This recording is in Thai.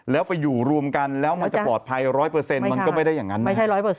แล้วไปอยู่รวมกันแล้วมันจะปลอดภัย๑๐๐มันก็ไม่ได้อย่างนั้น